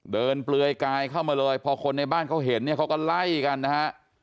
เปลือยกายเข้ามาเลยพอคนในบ้านเขาเห็นเนี่ยเขาก็ไล่กันนะฮะ